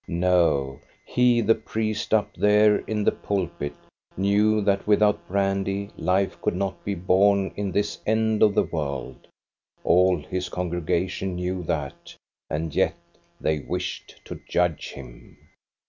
No, he, the priest, up there in the pulpit, knew that without brandy life could not be borne in this end of the world; all his congregation knew that, and yet they wished to judge him.